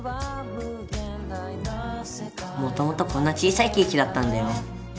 もともとこんな小さいケーキだったんだよ。